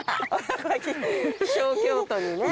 小京都にね。